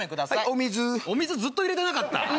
はいお水お水ずっと入れてなかった？